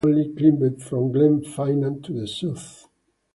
The hills are most commonly climbed from Glen Finnan to the south.